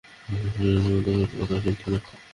হেমন্ত, ওর কথা শুনো না।